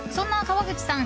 そんな川口さん